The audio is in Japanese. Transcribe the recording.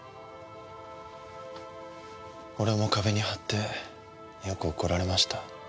俺も壁に張ってよく怒られました。